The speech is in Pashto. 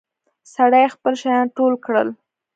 سړي خپل شيان ټول کړل.